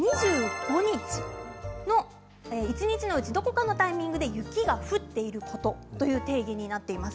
一日のうちどこかのタイミングで雪が降っていることという定義になっています。